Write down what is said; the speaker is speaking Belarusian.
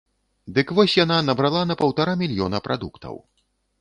Дык вось яна набрала на паўтара мільёна прадуктаў.